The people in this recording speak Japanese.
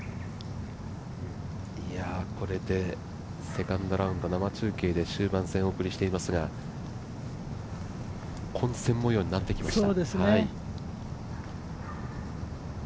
これでセカンドラウンド生中継で、終盤戦をお送りしていますが混戦模様になってきました。